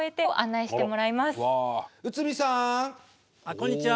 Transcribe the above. こんにちは。